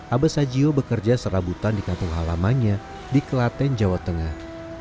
abah sajio bekerja serabutan di kampung halamannya di kelaten jawa tengah